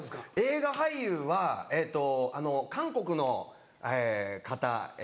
映画俳優はえっとあの韓国のえ方え。